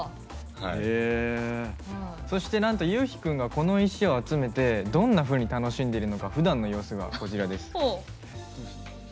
そして、なんとゆうひ君がこの石を使ってどんなふうに楽しんでいるのかふだんの様子がこちらです。